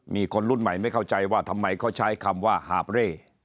มีคนรุ่นใหม่ไม่เข้าใจว่าทำไมเขาใช้คำว่าหาบเร่